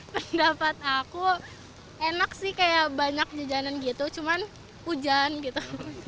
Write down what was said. pendapat aku enak sih kayak banyak jajanan gitu cuman hujan gitu